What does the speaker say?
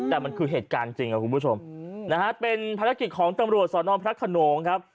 แต่มันคือเหตุการณ์จริงครับคุณผู้ชมนะฮะเป็นภารกิจของตำรวจสนพระขนงครับ